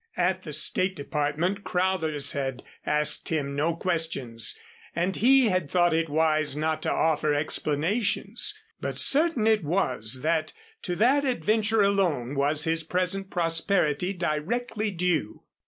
At the State Department Crowthers had asked him no questions and he had thought it wise not to offer explanations. But certain it was that to that adventure alone was his present prosperity directly due.